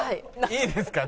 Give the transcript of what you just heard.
いいですか？